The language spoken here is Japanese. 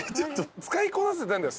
使いこなせてないんだよ